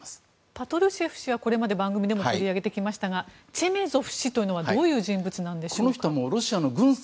パトルシェフ氏はこれまで番組でも取り上げてきましたがチェメゾフ氏はどのような人物なんでしょうか。